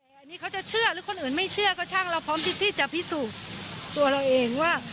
อันนี้เขาจะเชื่อหรือคนอื่นไม่เชื่อก็ช่างเราพร้อมที่จะพิสูจน์ตัวเราเองว่า